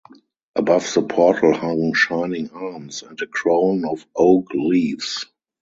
Above the portal hung shining arms and a crown of oak leaves.